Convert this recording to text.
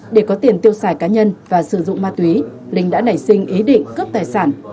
để có tiền tiêu xài cá nhân và sử dụng ma túy linh đã nảy sinh ý định cướp tài sản